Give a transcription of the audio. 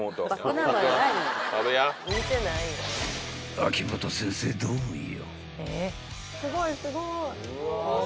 ［秋元先生どうよ］